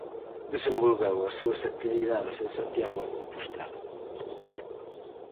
Desenvolveu as súas actividades en Santiago de Compostela.